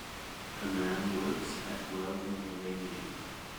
A man works at welding a railing.